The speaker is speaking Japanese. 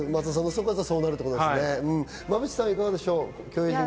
馬淵さんはいかがでしょう。